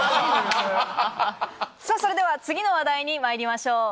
さぁそれでは次の話題にまいりましょう。